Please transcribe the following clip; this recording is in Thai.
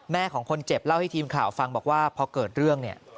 ของคนเจ็บเล่าให้ทีมข่าวฟังบอกว่าพอเกิดเรื่องเนี่ย